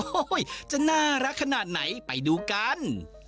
โอ้โหจะน่ารักขนาดไหนไปดูกัน